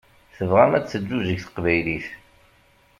Tebɣam ad teǧǧuǧeg teqbaylit.